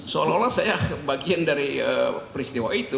seolah olah saya bagian dari peristiwa itu